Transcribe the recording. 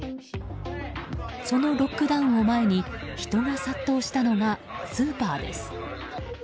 そのロックダウンを前に人が殺到したのがスーパーです。